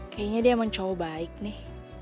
kayaknya dia emang cowok baik nih